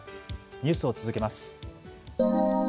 ニュースを続けます。